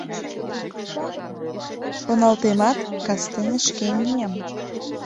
Шоналтемат, кастене шке мием.